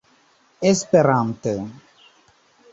esperante